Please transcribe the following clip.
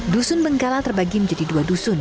dusun bengkala terbagi menjadi dua dusun